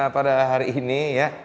pada hari ini ya